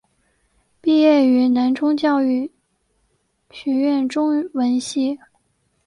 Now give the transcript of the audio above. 毕业于南充教育学院中文系。